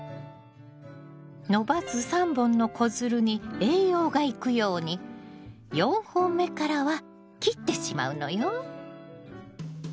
伸ばす３本の子づるに栄養が行くように４本目からは切ってしまうのよ。